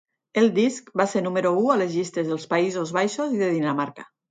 El disc va ser número u a les llistes dels Països Baixos i de Dinamarca.